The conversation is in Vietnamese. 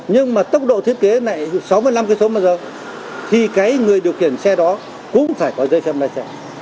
nhưng mà tốc độ thiết kế lại sáu mươi năm km một giờ thì cái người điều khiển xe đó cũng phải có giấy phép lái xe